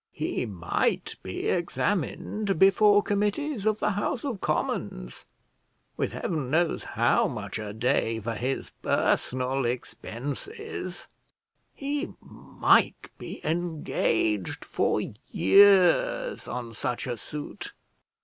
He might be examined before committees of the House of Commons, with heaven knows how much a day for his personal expenses; he might be engaged for years on such a suit!